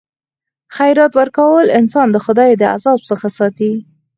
خیرات ورکول انسان د خدای د عذاب څخه ساتي.